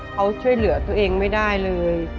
เขาช่วยเหลือตัวเองไม่ได้เลย